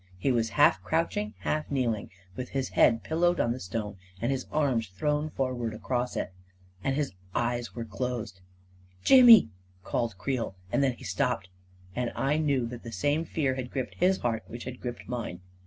He was half crouching, half kneeling, with his head pillowed on the stone and his arms thrown forward across it. And his eyes were closed. " Jimmy !" called Creel, and then he stopped, and I knew that the same fear had gripped his heart which gripped mine.